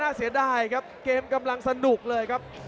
เสียดายครับเกมกำลังสนุกเลยครับ